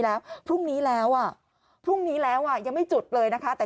แล้วพรุ่งนี้แล้วอ่ะพรุ่งนี้แล้วอ่ะยังไม่จุดเลยนะคะแต่